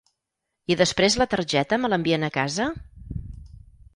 I després la targeta me l'envien a casa?